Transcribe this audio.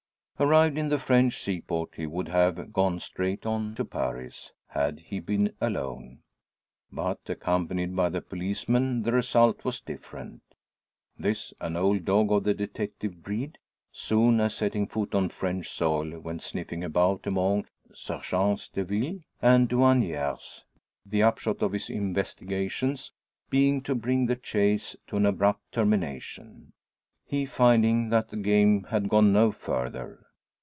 Arrived in the French seaport, he would have gone straight on to Paris had he been alone. But accompanied by the policeman the result was different. This an old dog of the detective breed soon as setting foot on French soil, went sniffing about among serjents de ville and douaniers, the upshot of his investigations being to bring the chase to an abrupt termination he finding that the game had gone no further.